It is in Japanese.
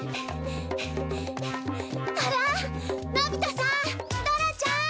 あらのび太さんドラちゃん！